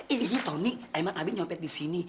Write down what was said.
ini ini tau nih emang abi nyopet disini